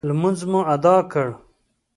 لمونځ مو اداء کړ.